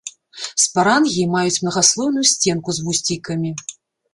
Спарангіі маюць мнагаслойную сценку з вусцейкамі.